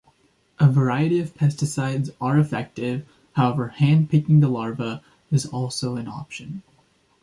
A variety of pesticides are effective; however, hand-picking the larvae is also an option.